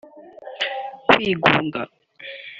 kwigunga